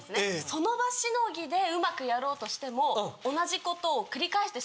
その場しのぎでうまくやろうとしても同じことを繰り返してしまうと。